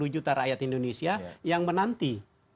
dua ratus enam puluh juta rakyat indonesia yang menanti